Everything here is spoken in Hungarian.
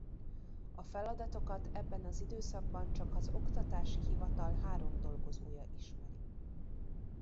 A feladatokat ebben az időszakban csak az Oktatási Hivatal három dolgozója ismeri.